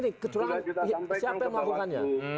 ini kecurangan siapa yang melakukannya